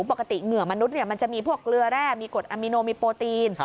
เหงื่อมนุษย์มันจะมีพวกเกลือแร่มีกฎอามิโนมีโปรตีน